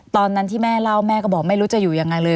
ตอนนั้นที่แม่เล่าแม่ก็บอกไม่รู้จะอยู่ยังไงเลย